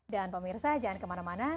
dan pak mirsa jangan kemana mana